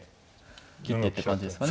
切ってって感じですかね。